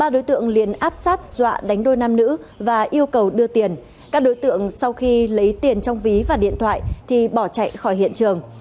ba đối tượng liền áp sát dọa đánh đôi nam nữ và yêu cầu đưa tiền các đối tượng sau khi lấy tiền trong ví và điện thoại thì bỏ chạy khỏi hiện trường